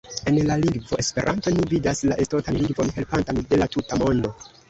En la lingvo « Esperanto » ni vidas la estontan lingvon helpantan de la tuta mondo.